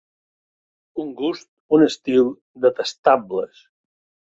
Un gust, un estil, detestables.